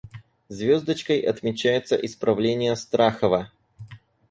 Звездочкой отмечаются исправления Страхова.